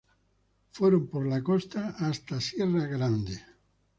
Fueron por la costa hasta Sierra Grande.